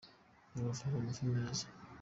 Rubavu hava amafi meza.